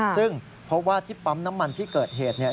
ซึ่งเพราะว่าที่ปั๊มน้ำมันที่เกิดเหตุเนี่ย